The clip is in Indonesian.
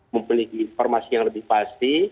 memiliki informasi yang lebih pasti